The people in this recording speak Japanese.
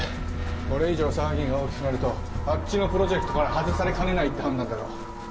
これ以上騒ぎが大きくなるとあっちのプロジェクトから外されかねないって判断だろう。